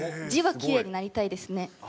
字はきれいになりたいですね。